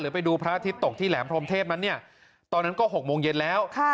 ไปดูพระอาทิตย์ตกที่แหลมพรมเทพนั้นเนี่ยตอนนั้นก็๖โมงเย็นแล้ว